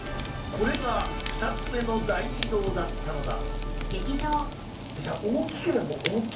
これが２つ目の大移動だったのだ。